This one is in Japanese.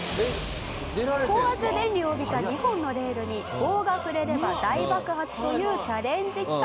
「高圧電流を帯びた２本のレールに棒が触れれば大爆発というチャレンジ企画」